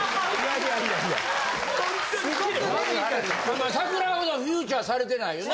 まあ桜ほどはフィーチャーされてないよな。